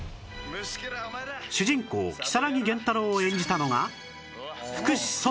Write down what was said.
主人公如月弦太朗を演じたのが